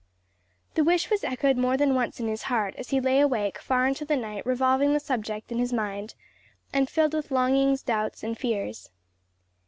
The wish was echoed more than once in his heart as he lay awake far into the night revolving the subject in his mind, and filled with longings, doubts and fears.